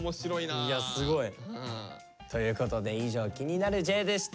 いやすごい。ということで以上「気になるＪ」でした。